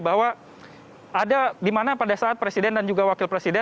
bahwa ada di mana pada saat presiden dan juga wakil presiden